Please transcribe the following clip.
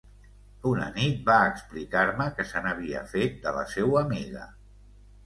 Una nit va explicar-me què se n’havia fet de la seua amiga.